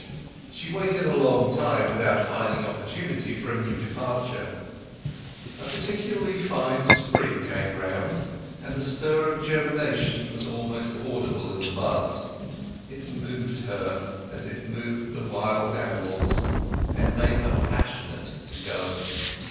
She waited a long time without finding opportunity for a new departure. A particularly fine spring came round, and the stir of germination was almost audible in the buds; it moved her, as it moved the wild animals, and made her passionate to go.